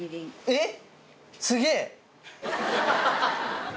えっ！